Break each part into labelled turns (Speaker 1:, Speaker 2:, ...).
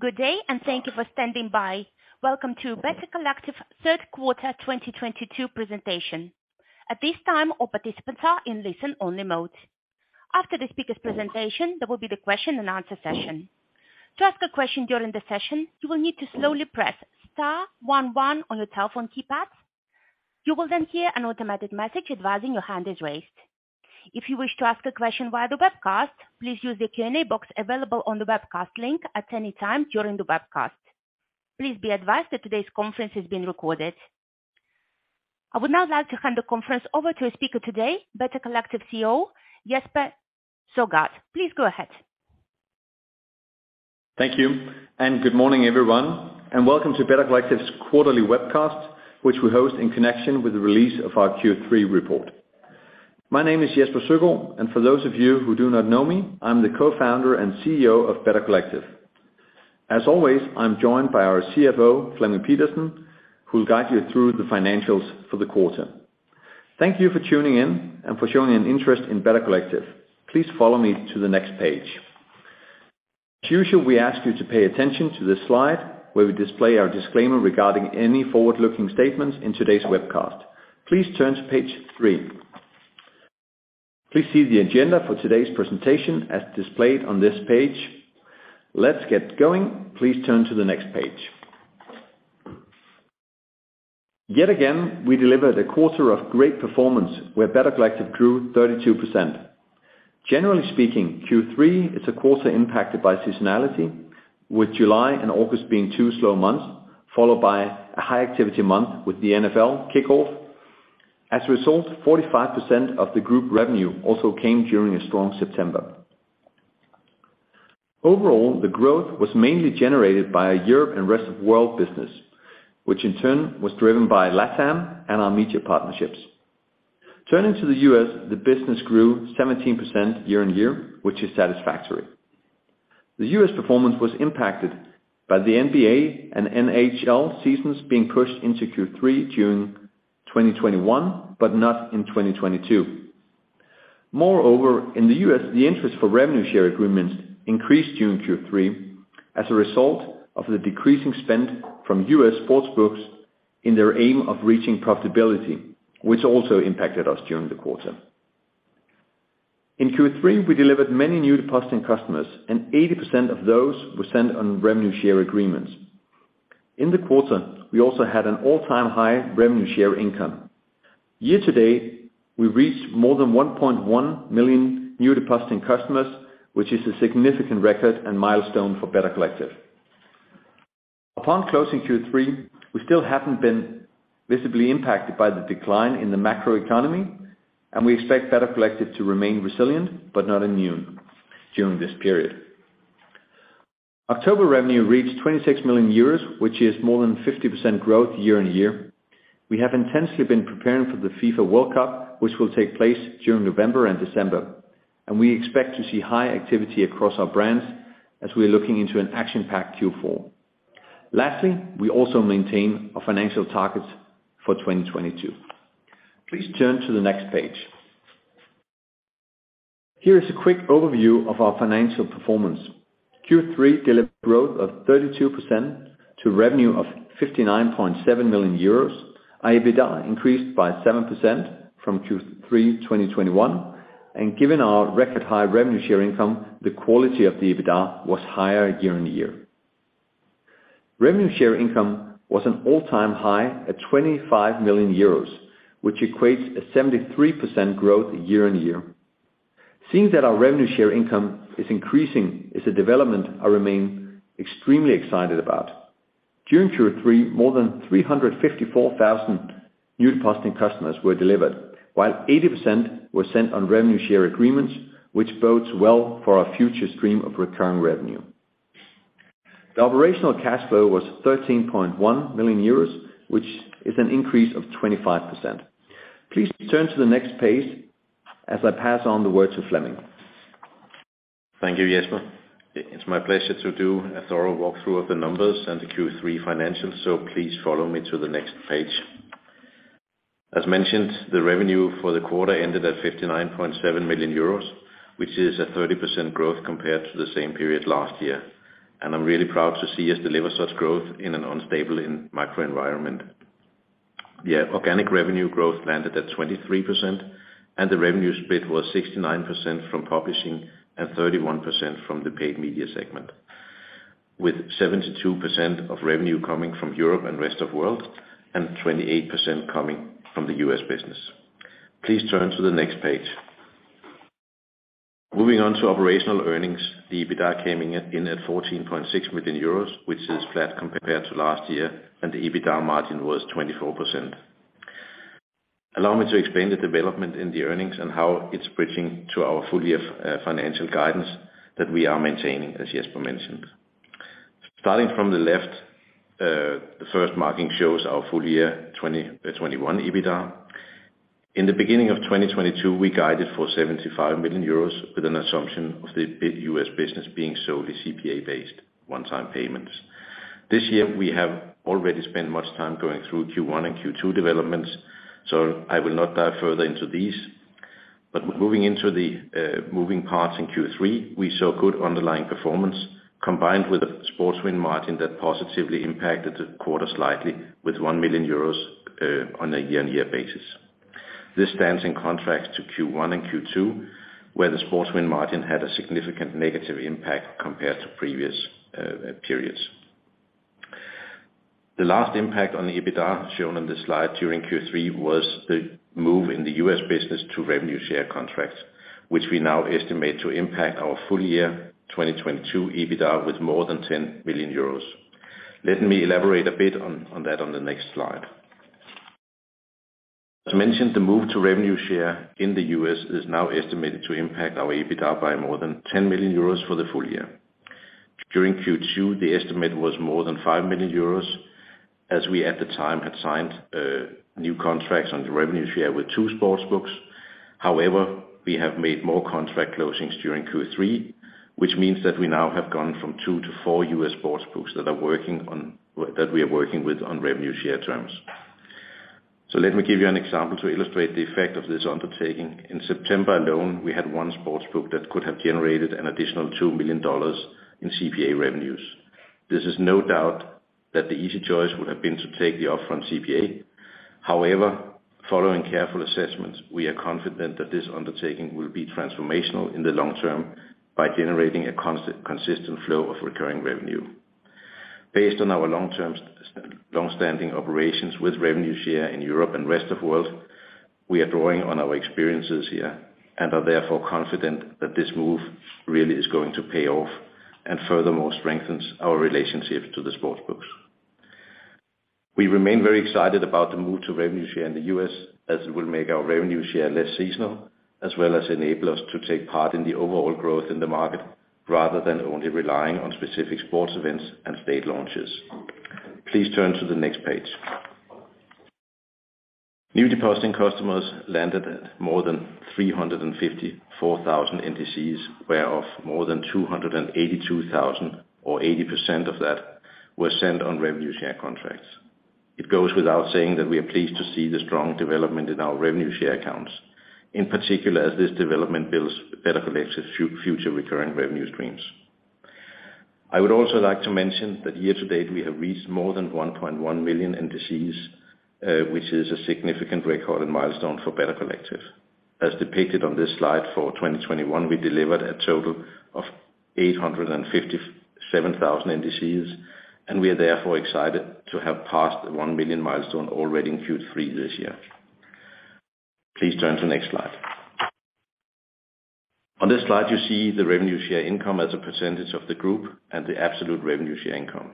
Speaker 1: Good day, thank you for standing by. Welcome to Better Collective Third Quarter 2022 Presentation. At this time, all participants are in listen-only mode. After the speaker's presentation, there will be the question and answer session. To ask a question during the session, you will need to slowly press star one one on your telephone keypad. You will then hear an automated message advising your hand is raised. If you wish to ask a question via the webcast, please use the Q&A box available on the webcast link at any time during the webcast. Please be advised that today's conference is being recorded. I would now like to hand the conference over to a speaker today, Better Collective CEO, Jesper Søgaard. Please go ahead.
Speaker 2: Thank you, and good morning, everyone, and welcome to Better Collective's quarterly webcast, which we host in connection with the release of our Q3 report. My name is Jesper Søgaard, and for those of you who do not know me, I'm the Co-Founder and CEO of Better Collective. As always, I'm joined by our CFO, Flemming Pedersen, who'll guide you through the financials for the quarter. Thank you for tuning in and for showing an interest in Better Collective. Please follow me to the next page. As usual, we ask you to pay attention to this slide where we display our disclaimer regarding any forward-looking statements in today's webcast. Please turn to page 3. Please see the agenda for today's presentation as displayed on this page. Let's get going. Please turn to the next page. Yet again, we delivered a quarter of great performance where Better Collective grew 32%. Generally speaking, Q3 is a quarter impacted by seasonality, with July and August being two slow months, followed by a high activity month with the NFL kickoff. As a result, 45% of the group revenue also came during a strong September. Overall, the growth was mainly generated by our Europe and rest of world business, which in turn was driven by LATAM and our media partnerships. Turning to the U.S., the business grew 17% year-on-year, which is satisfactory. The U.S. performance was impacted by the NBA and NHL seasons being pushed into Q3 during 2021, but not in 2022. Moreover, in the U.S., the interest for revenue share agreements increased during Q3 as a result of the decreasing spend from U.S. sports books in their aim of reaching profitability, which also impacted us during the quarter. In Q3, we delivered many new depositing customers, and 80% of those were sent on revenue share agreements. In the quarter, we also had an all-time high revenue share income. Year to date, we reached more than 1.1 million new depositing customers, which is a significant record and milestone for Better Collective. Upon closing Q3, we still haven't been visibly impacted by the decline in the macroeconomy, and we expect Better Collective to remain resilient but not immune during this period. October revenue reached 26 million euros, which is more than 50% growth year-on-year. We have intensely been preparing for the FIFA World Cup, which will take place during November and December, and we expect to see high activity across our brands as we're looking into an action-packed Q4. Lastly, we also maintain our financial targets for 2022. Please turn to the next page. Here is a quick overview of our financial performance. Q3 delivered growth of 32% to revenue of 59.7 million euros. Our EBITDA increased by 7% from Q3 2021, and given our record high revenue share income, the quality of the EBITDA was higher year-on-year. Revenue share income was an all-time high at 25 million euros, which equates a 73% growth year-on-year. Seeing that our revenue share income is increasing is a development I remain extremely excited about. During Q3, more than 354,000 new depositing customers were delivered, while 80% were sent on revenue share agreements, which bodes well for our future stream of recurring revenue. The operational cash flow was 13.1 million euros, which is an increase of 25%. Please turn to the next page as I pass on the word to Flemming.
Speaker 3: Thank you, Jesper. It's my pleasure to do a thorough walkthrough of the numbers and the Q3 financials, so please follow me to the next page. As mentioned, the revenue for the quarter ended at 59.7 million euros, which is a 30% growth compared to the same period last year. I'm really proud to see us deliver such growth in an unstable macro environment. The organic revenue growth landed at 23%, and the revenue split was 69% from publishing and 31% from the paid media segment, with 72% of revenue coming from Europe and rest of world, and 28% coming from the U.S. business. Please turn to the next page. Moving on to operational earnings, the EBITDA came in at 14.6 million euros, which is flat compared to last year, and the EBITDA margin was 24%. Allow me to explain the development in the earnings and how it's bridging to our full-year financial guidance that we are maintaining, as Jesper mentioned. Starting from the left, the first marking shows our full-year 2021 EBITDA. In the beginning of 2022, we guided for 75 million euros with an assumption of the big U.S. business being solely CPA-based one-time payment. This year, we have already spent much time going through Q1 and Q2 developments, so I will not dive further into these. Moving into the moving parts in Q3, we saw good underlying performance combined with a sports win margin that positively impacted the quarter slightly with 1 million euros on a year-on-year basis. This stands in contrast to Q1 and Q2, where the sports win margin had a significant negative impact compared to previous periods. The last impact on the EBITDA shown on this slide during Q3 was the move in the U.S. business to revenue share contracts, which we now estimate to impact our full year 2022 EBITDA with more than 10 million euros. Let me elaborate a bit on that on the next slide. As mentioned, the move to revenue share in the U.S. is now estimated to impact our EBITDA by more than 10 million euros for the full year. During Q2, the estimate was more than 5 million euros, as we at the time had signed new contracts on the revenue share with two sports books. However, we have made more contract closings during Q3, which means that we now have gone from two to four U.S. sports books that we are working with on revenue share terms. Let me give you an example to illustrate the effect of this undertaking. In September alone, we had one sports book that could have generated an additional $2 million in CPA revenues. There is no doubt that the easy choice would have been to take the offer on CPA. However, following careful assessments, we are confident that this undertaking will be transformational in the long term by generating a consistent flow of recurring revenue. Based on our long-standing operations with revenue share in Europe and rest of world, we are drawing on our experiences here and are therefore confident that this move really is going to pay off and furthermore strengthens our relationship to the sports books. We remain very excited about the move to revenue share in the U.S. as it will make our revenue share less seasonal, as well as enable us to take part in the overall growth in the market rather than only relying on specific sports events and state launches. Please turn to the next page. New depositing customers landed at more than 354,000 NDCs, whereof more than 282,000 or 80% of that were sent on revenue share contracts. It goes without saying that we are pleased to see the strong development in our revenue share accounts, in particular as this development builds Better Collective's future recurring revenue streams. I would also like to mention that year-to-date, we have reached more than 1.1 million NDCs, which is a significant record and milestone for Better Collective. As depicted on this slide for 2021, we delivered a total of 857,000 NDCs, and we are therefore excited to have passed the 1 million milestone already in Q3 this year. Please turn to next slide. On this slide, you see the revenue share income as a percentage of the group and the absolute revenue share income.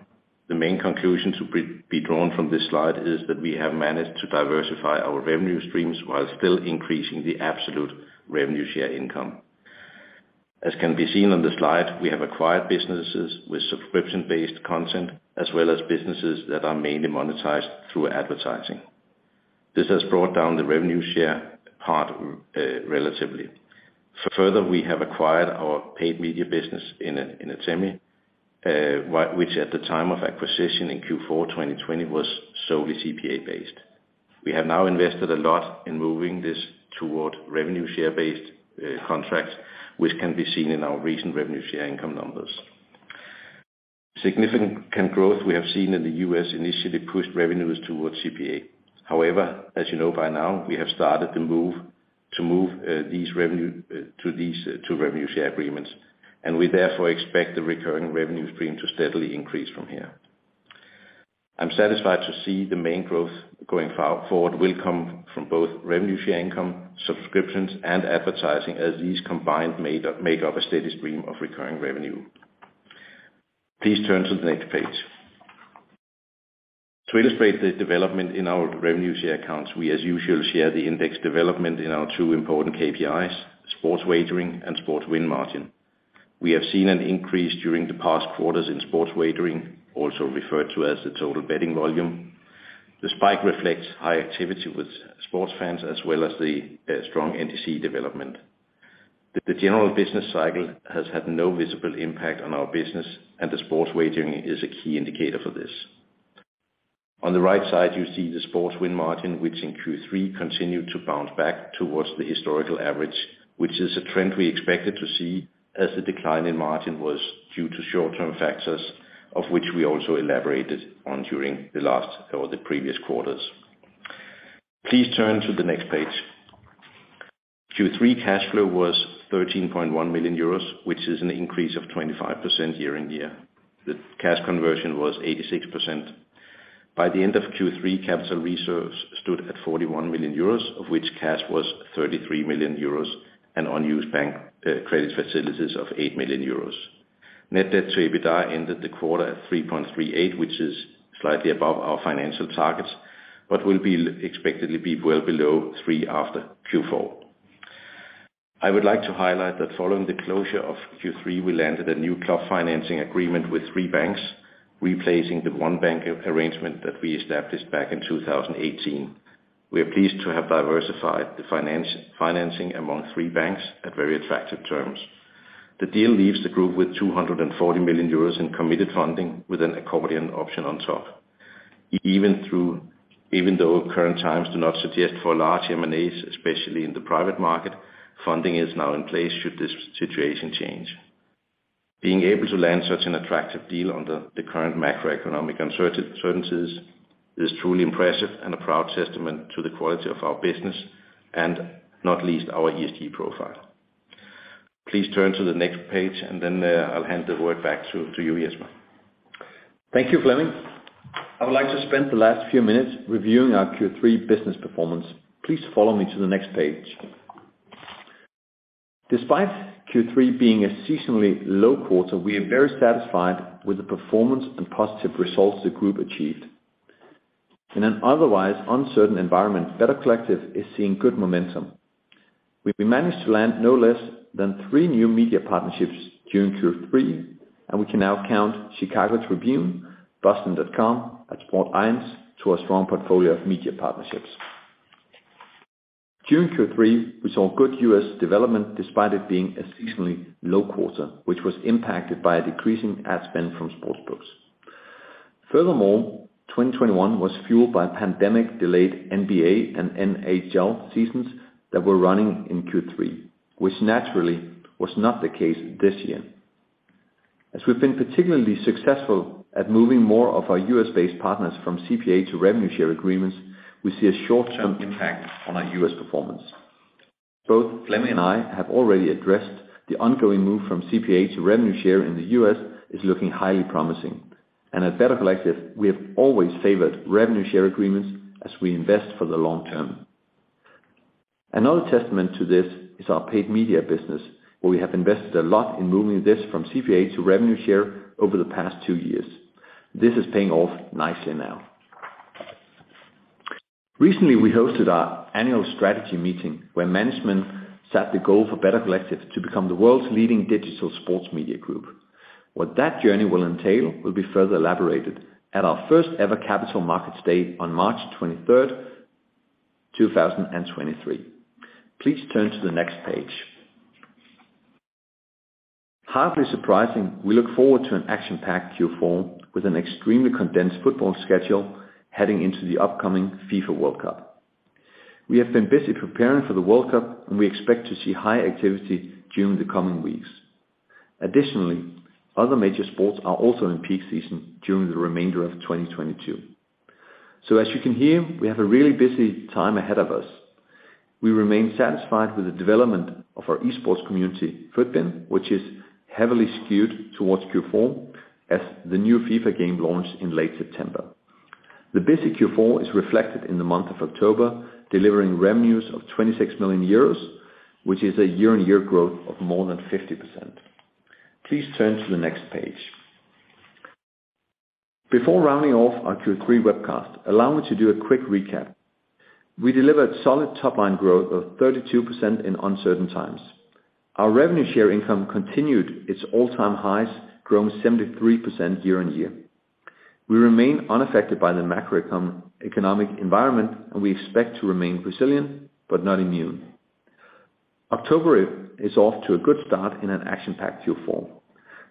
Speaker 3: The main conclusion to be drawn from this slide is that we have managed to diversify our revenue streams while still increasing the absolute revenue share income. As can be seen on the slide, we have acquired businesses with subscription-based content, as well as businesses that are mainly monetized through advertising. This has brought down the revenue share part relatively. Further, we have acquired our paid media business in Atemi, which at the time of acquisition in Q4 2020 was solely CPA-based. We have now invested a lot in moving this toward revenue share-based contracts, which can be seen in our recent revenue share income numbers. Significant growth we have seen in the U.S. initially pushed revenues towards CPA. However, as you know by now, we have started the move to these two revenue share agreements, and we therefore expect the recurring revenue stream to steadily increase from here. I'm satisfied to see the main growth going forward will come from both revenue share income, subscriptions, and advertising as these combined make up a steady stream of recurring revenue. Please turn to the next page. To illustrate the development in our revenue share accounts, we as usual share the index development in our two important KPIs, sports wagering and sports win margin. We have seen an increase during the past quarters in sports wagering, also referred to as the total betting volume. The spike reflects high activity with sports fans as well as the strong NDC development. The general business cycle has had no visible impact on our business, and the sports wagering is a key indicator for this. On the right side, you see the sports win margin, which in Q3 continued to bounce back towards the historical average, which is a trend we expected to see as the decline in margin was due to short-term factors, of which we also elaborated on during the last or the previous quarters. Please turn to the next page. Q3 cash flow was 13.1 million euros, which is an increase of 25% year-on-year. The cash conversion was 86%. By the end of Q3, capital resource stood at 41 million euros, of which cash was 33 million euros and unused bank credit facilities of 8 million euros. Net debt to EBITDA ended the quarter at 3.38, which is slightly above our financial targets, but will be expectedly be well below 3 after Q4. I would like to highlight that following the closure of Q3, we landed a new club financing agreement with three banks, replacing the one bank arrangement that we established back in 2018. We are pleased to have diversified the financing among three banks at very attractive terms. The deal leaves the group with 240 million euros in committed funding with an accordion option on top. Even though current times do not suggest for large M&A, especially in the private market, funding is now in place should this situation change. Being able to land such an attractive deal under the current macroeconomic uncertainties is truly impressive and a proud testament to the quality of our business, and not least our ESG profile. Please turn to the next page, and then I'll hand the word back to you, Jesper.
Speaker 2: Thank you, Flemming. I would like to spend the last few minutes reviewing our Q3 business performance. Please follow me to the next page. Despite Q3 being a seasonally low quarter, we are very satisfied with the performance and positive results the group achieved. In an otherwise uncertain environment, Better Collective is seeing good momentum. We managed to land no less than three new media partnerships during Q3, and we can now count Chicago Tribune, Boston.com, and Sports Illustrated to our strong portfolio of media partnerships. During Q3, we saw good U.S. development despite it being a seasonally low quarter, which was impacted by a decreasing ad spend from sports books. Furthermore, 2021 was fueled by pandemic-delayed NBA and NHL seasons that were running in Q3, which naturally was not the case this year. As we've been particularly successful at moving more of our U.S.-based partners from CPA to revenue share agreements, we see a short-term impact on our U.S. performance. Both Flemming and I have already addressed the ongoing move from CPA to revenue share in the U.S. is looking highly promising. At Better Collective, we have always favored revenue share agreements as we invest for the long term. Another testament to this is our paid media business, where we have invested a lot in moving this from CPA to revenue share over the past two years. This is paying off nicely now. Recently, we hosted our annual strategy meeting, where management set the goal for Better Collective to become the world's leading digital sports media group. What that journey will entail will be further elaborated at our first ever Capital Markets Day on March 23rd, 2023. Please turn to the next page. Hardly surprising, we look forward to an action-packed Q4 with an extremely condensed football schedule heading into the upcoming FIFA World Cup. We have been busy preparing for the World Cup, and we expect to see high activity during the coming weeks. Additionally, other major sports are also in peak season during the remainder of 2022. As you can hear, we have a really busy time ahead of us. We remain satisfied with the development of our esports community, FutBin, which is heavily skewed towards Q4 as the new FIFA game launched in late September. The busy Q4 is reflected in the month of October, delivering revenues of 26 million euros, which is a year-on-year growth of more than 50%. Please turn to the next page. Before rounding off our Q3 webcast, allow me to do a quick recap. We delivered solid top-line growth of 32% in uncertain times. Our revenue share income continued its all-time highs, growing 73% year-on-year. We remain unaffected by the macroeconomic environment, and we expect to remain resilient, but not immune. October is off to a good start in an action-packed Q4.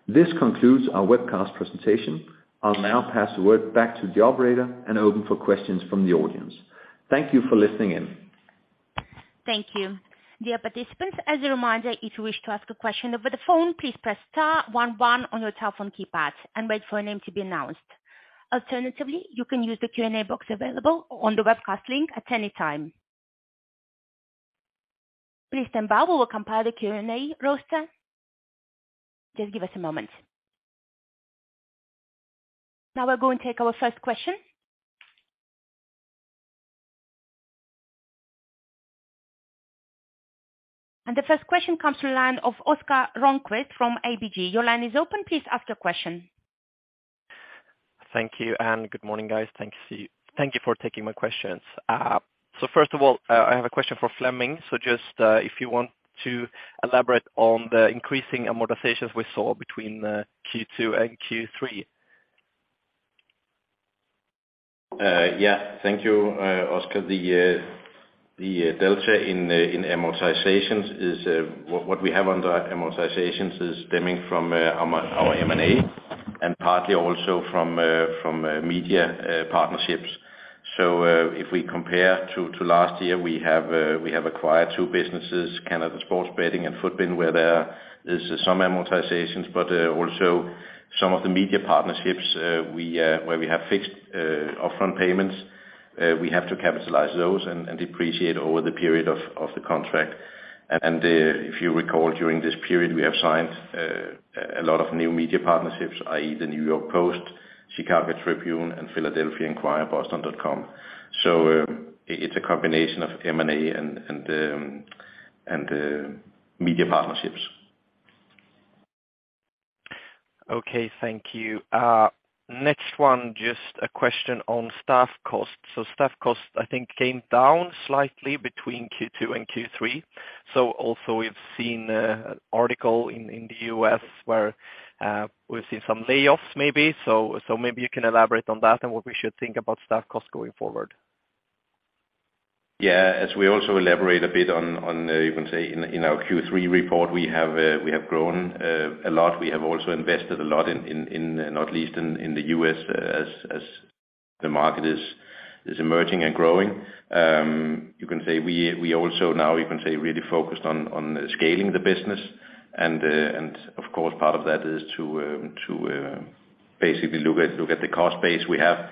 Speaker 2: This concludes our webcast presentation. I'll now pass the word back to the operator and open for questions from the audience. Thank you for listening in.
Speaker 1: Thank you. Dear participants, as a reminder, if you wish to ask a question over the phone, please press star one one on your telephone keypad and wait for a name to be announced. Alternatively, you can use the Q&A box available on the webcast link at any time. Please stand by. We will compile a Q&A roster. Just give us a moment. Now we'll go and take our first question. The first question comes from the line of Oscar Rönnkvist from ABG. Your line is open. Please ask your question.
Speaker 4: Thank you, and good morning, guys. Thank you for taking my questions. First of all, I have a question for Flemming. Just if you want to elaborate on the increasing amortizations we saw between Q2 and Q3.
Speaker 3: Yeah. Thank you, Oscar. The delta in amortizations is what we have under amortizations is stemming from our M&A and partly also from media partnerships. If we compare to last year, we have acquired 2 businesses, Canada Sports Betting and FutBin, where there is some amortizations, but also some of the media partnerships where we have fixed upfront payments, we have to capitalize those and depreciate over the period of the contract. If you recall, during this period, we have signed a lot of new media partnerships, i.e., the New York Post, Chicago Tribune, and Philadelphia Inquirer, Boston.com. It's a combination of M&A and media partnerships.
Speaker 4: Okay. Thank you. Next one, just a question on staff costs. Staff costs, I think, came down slightly between Q2 and Q3. Also we've seen an article in the U.S. where we've seen some layoffs maybe. Maybe you can elaborate on that and what we should think about staff costs going forward.
Speaker 3: Yeah, as we also elaborate a bit on, you can say in our Q3 report, we have grown a lot. We have also invested a lot in, not least in the U.S. as the market is emerging and growing. You can say we also now you can say really focused on scaling the business and of course part of that is to basically look at the cost base we have.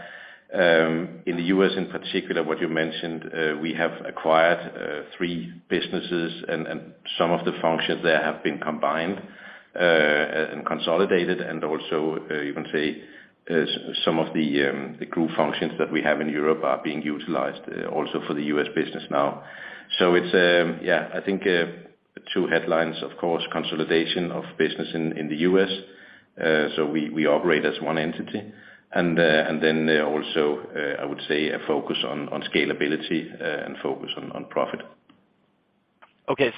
Speaker 3: In the U.S. in particular what you mentioned, we have acquired three businesses and some of the functions there have been combined and consolidated and also you can say some of the group functions that we have in Europe are being utilized also for the U.S. business now. Yeah, I think two headlines, of course, consolidation of business in the U.S., so we operate as one entity. Also, I would say a focus on scalability and focus on profit.
Speaker 4: Okay,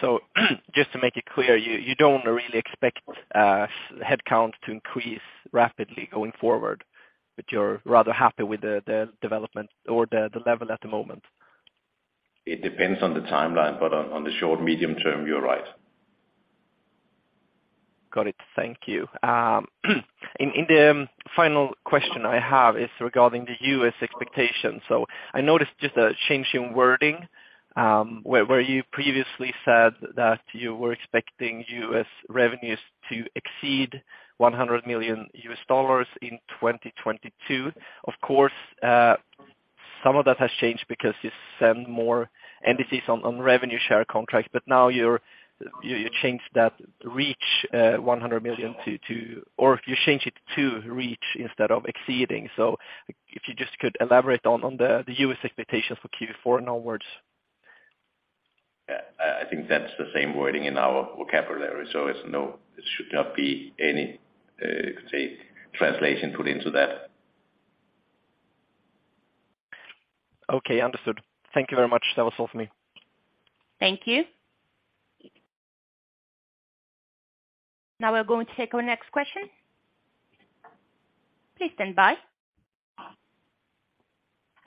Speaker 4: just to make it clear, you don't really expect headcount to increase rapidly going forward, but you're rather happy with the development or the level at the moment?
Speaker 3: It depends on the timeline, but on the short, medium term, you're right.
Speaker 4: Got it. Thank you. The final question I have is regarding the U.S. expectations. I noticed just a change in wording where you previously said that you were expecting U.S. revenues to exceed $100 million in 2022. Of course, some of that has changed because you send more entities on revenue share contracts, but now you changed that reach $100 million. If you change it to reach instead of exceeding. If you just could elaborate on the U.S. expectations for Q4 onwards.
Speaker 3: Yeah. I think that's the same wording in our vocabulary. There should not be any, you could say, translation put into that.
Speaker 4: Okay. Understood. Thank you very much. That was all for me.
Speaker 1: Thank you. Now we're going to take our next question. Please stand by.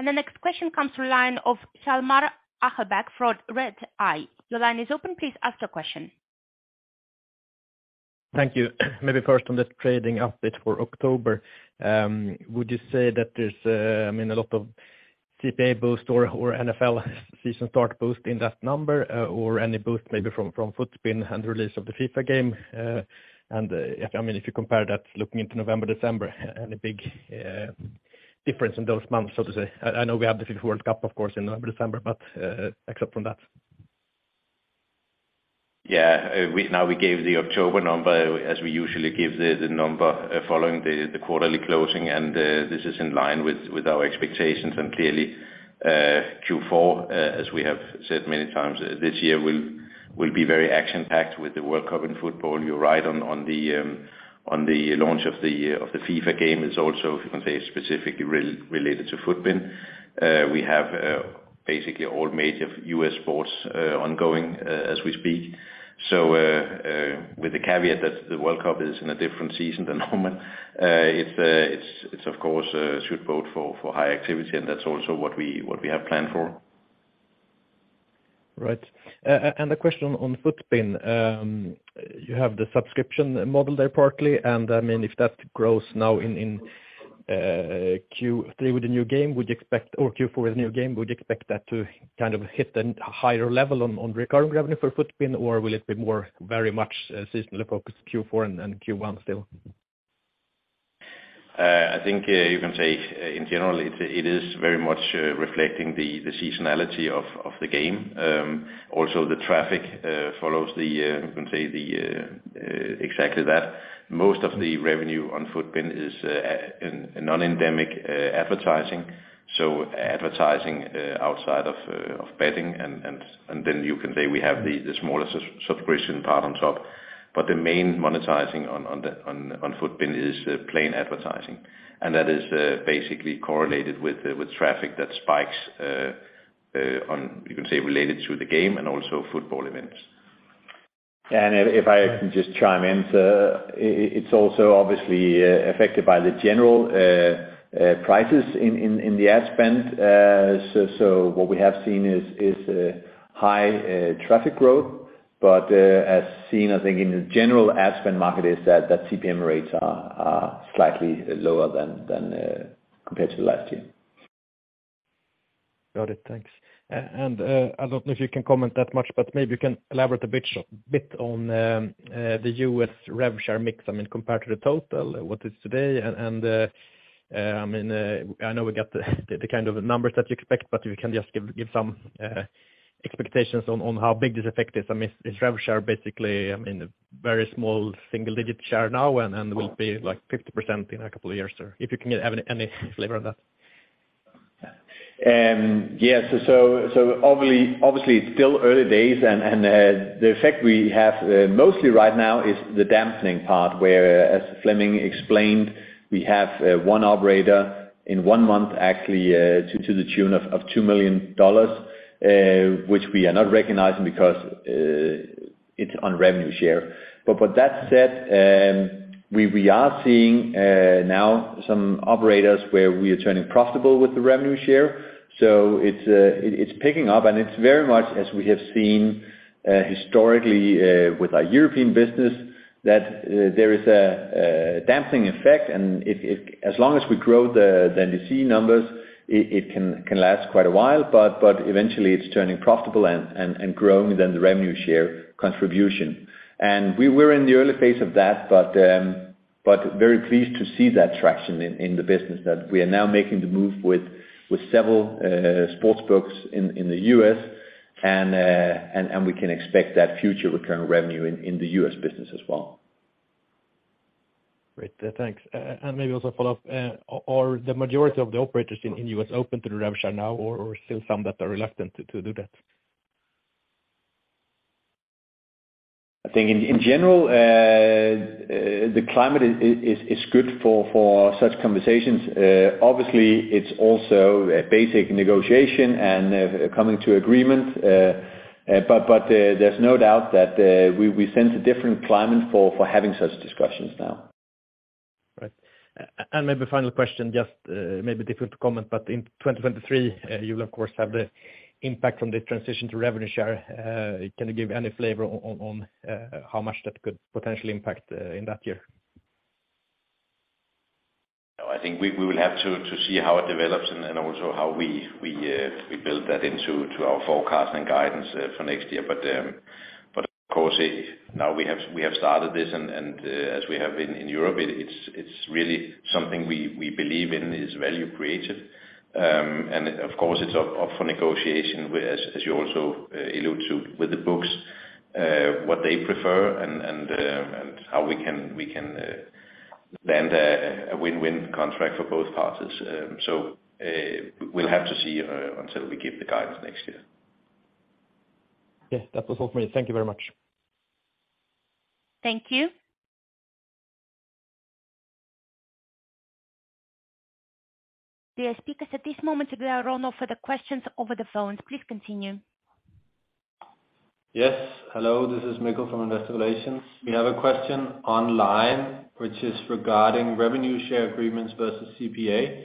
Speaker 1: The next question comes through line of Hjalmar Åhman from Redeye. Your line is open. Please ask your question.
Speaker 5: Thank you. Maybe first on the trading update for October, would you say that there's, I mean, a lot of CPA boost or NFL season start boost in that number, or any boost maybe from FutBin and release of the FIFA game? I mean, if you compare that looking into November, December, any big difference in those months, so to say? I know we have the FIFA World Cup, of course, in November, December, but except from that.
Speaker 3: Yeah. Now we gave the October number as we usually give the number following the quarterly closing. This is in line with our expectations. Clearly, Q4, as we have said many times this year, will be very action-packed with the World Cup in football. You're right on the launch of the FIFA game. It's also, if you can say, specifically related to FutBin. We have basically all major U.S. sports ongoing as we speak. With the caveat that the World Cup is in a different season than normal, it's of course should bode for high activity, and that's also what we have planned for.
Speaker 5: Right. Uh, a-and a question on FutBin. Um, you have the subscription model there partly, and I mean, if that grows now in, uh, Q3 with the new game, would you expect-- or Q4 with the new game, would you expect that to kind of hit a higher level on recurring revenue for FutBin, or will it be more very much, uh, seasonally focused Q4 and Q1 still?
Speaker 2: I think you can say in general it is very much reflecting the seasonality of the game. Also the traffic follows, you can say, exactly that. Most of the revenue on FutBin is in non-endemic advertising, so advertising outside of betting, and then you can say we have the smaller subscription part on top. The main monetization on FutBin is plain advertising, and that is basically correlated with traffic that spikes, you can say, related to the game and also football events. If I can just chime in, it's also obviously affected by the general prices in the ad spend. What we have seen is high traffic growth, but as seen, I think in the general ad spend market is that CPM rates are slightly lower than compared to last year.
Speaker 5: Got it. Thanks. I don't know if you can comment that much, but maybe you can elaborate a bit on the U.S. rev share mix. I mean, compared to the total, what is today? I know we got the kind of numbers that you expect, but if you can just give some expectations on how big this effect is. I mean, is rev share basically, I mean, a very small single-digit share now and will be like 50% in a couple of years, or if you can give any flavor on that?
Speaker 3: Yes. Obviously, it's still early days, and the effect we have mostly right now is the dampening part where, as Flemming explained, we have one operator in one month actually to the tune of $2 million, which we are not recognizing because. It's on revenue share. With that said, we are seeing now some operators where we are turning profitable with the revenue share. It's picking up, and it's very much as we have seen historically with our European business that there is a damping effect. As long as we grow the NDC numbers, it can last quite a while, but eventually it's turning profitable and growing then the revenue share contribution. We're in the early phase of that, but very pleased to see that traction in the business that we are now making the move with several sports books in the U.S., and we can expect that future return of revenue in the U.S. business as well.
Speaker 5: Great. Thanks. Maybe also follow up. Are the majority of the operators in U.S. open to the revenue share now or still some that are reluctant to do that?
Speaker 2: I think in general the climate is good for such conversations. Obviously, it's also a basic negotiation and coming to agreement. There's no doubt that we sense a different climate for having such discussions now.
Speaker 5: Right. Maybe final question, just maybe difficult to comment. In 2023, you'll of course have the impact from the transition to revenue share. Can you give any flavor on how much that could potentially impact in that year?
Speaker 2: No, I think we will have to see how it develops and then also how we build that into our forecast and guidance for next year. Of course, now we have started this and as we have in Europe, it's really something we believe in is value creative. Of course, it's up for negotiation with, as you also allude to with the books, what they prefer and how we can land a win-win contract for both parties. We'll have to see until we give the guidance next year.
Speaker 5: Yes, that was all for me. Thank you very much.
Speaker 1: Thank you. Dear speakers, at this moment, we are on for the questions over the phones. Please continue.
Speaker 6: Yes. Hello, this is Mikkel from Investor Relations. We have a question online which is regarding revenue share agreements versus CPA.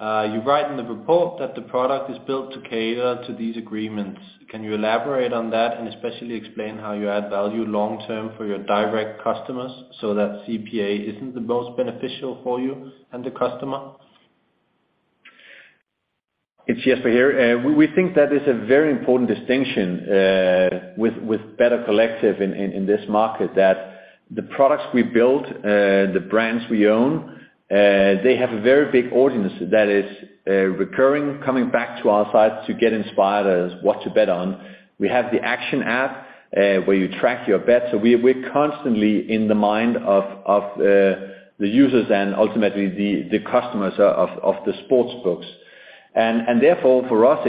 Speaker 6: You write in the report that the product is built to cater to these agreements. Can you elaborate on that and especially explain how you add value long term for your direct customers so that CPA isn't the most beneficial for you and the customer?
Speaker 2: It's Jesper here. We think that is a very important distinction with Better Collective in this market, that the products we build, the brands we own, they have a very big audience that is recurring, coming back to our site to get inspired as what to bet on. We have the Action App where you track your bets. We're constantly in the mind of the users and ultimately the customers of the sports books. Therefore, for us,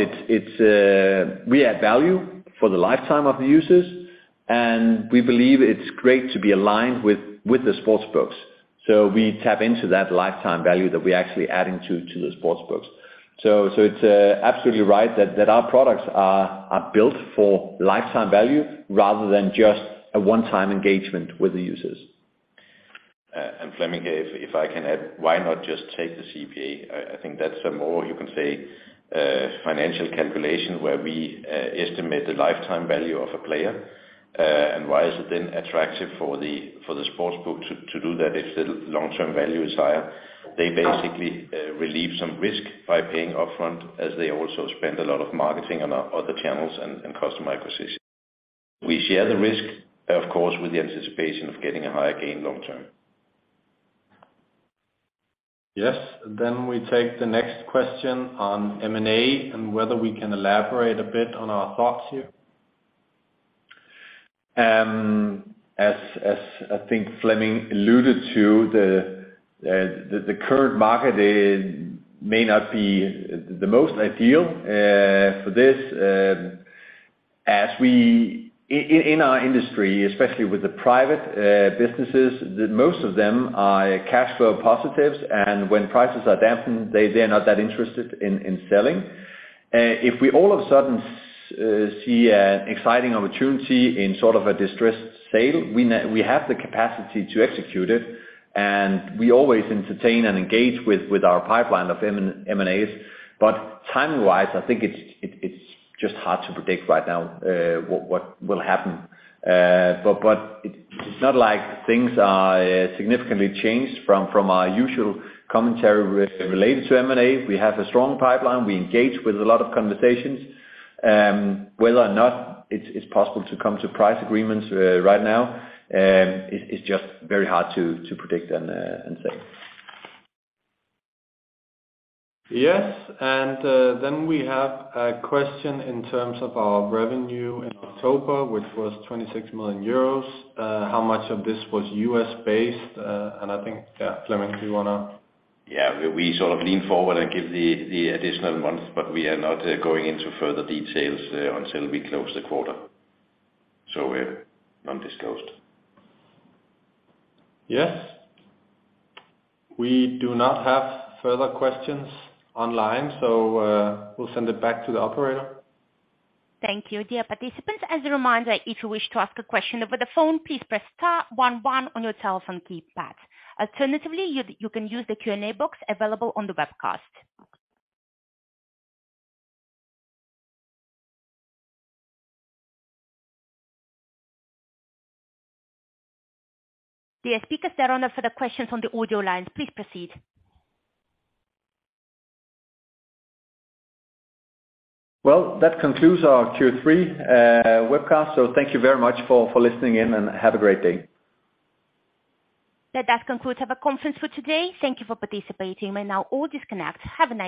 Speaker 2: we add value for the lifetime of the users, and we believe it's great to be aligned with the sports books. We tap into that lifetime value that we're actually adding to the sports books. It's absolutely right that our products are built for lifetime value rather than just a one-time engagement with the users. Flemming, if I can add, why not just take the CPA? I think that's a more, you can say, financial calculation where we estimate the lifetime value of a player. Why is it then attractive for the sportsbook to do that if the long-term value is higher? They basically relieve some risk by paying upfront as they also spend a lot of marketing on other channels and customer acquisition. We share the risk, of course, with the anticipation of getting a higher gain long-term.
Speaker 6: Yes. We take the next question on M&A and whether we can elaborate a bit on our thoughts here.
Speaker 2: As I think Flemming alluded to, the current market may not be the most ideal for this, as we in our industry, especially with the private businesses, most of them are cash flow positives, and when prices are dampened, they are not that interested in selling. If we all of a sudden see an exciting opportunity in sort of a distressed sale, we have the capacity to execute it, and we always entertain and engage with our pipeline of M&As. Timing-wise, I think it's just hard to predict right now what will happen. It's not like things are significantly changed from our usual commentary related to M&A. We have a strong pipeline. We engage with a lot of conversations. Whether or not it's possible to come to price agreements right now, it's just very hard to predict and say.
Speaker 6: Yes. We have a question in terms of our revenue in October, which was 26 million euros. How much of this was U.S.-based? I think, yeah, Flemming, do you wanna?
Speaker 2: Yeah. We sort of lean forward and give the additional months, but we are not going into further details until we close the quarter. We're non-disclosed.
Speaker 6: Yes. We do not have further questions online. We'll send it back to the operator.
Speaker 1: Thank you. Dear participants, as a reminder, if you wish to ask a question over the phone, please press star one one on your telephone keypad. Alternatively, you can use the Q&A box available on the webcast. Dear speakers, they're on for the questions on the audio lines. Please proceed.
Speaker 2: Well, that concludes our Q3 webcast. Thank you very much for listening in, and have a great day.
Speaker 1: That concludes our conference for today. Thank you for participating. You may now all disconnect. Have a nice day.